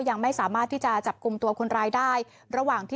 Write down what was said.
ยังไม่สามารถที่จะจับกลุ่มตัวคนร้ายได้ระหว่างที่